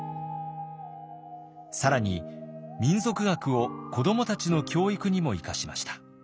更に民俗学を子どもたちの教育にも生かしました。